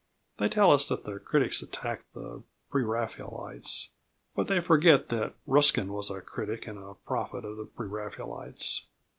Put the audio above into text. They tell us that the critics attacked the Pre Raphaelites, but they forget that Ruskin was a critic and a prophet of the Pre Raphaelites.